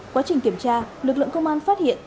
quá trình kiểm tra lực lượng công an phát hiện